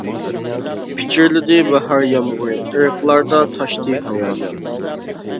پىچىرلىدى باھار يامغۇرى، ئېرىقلاردا تاشتى ھاياجان.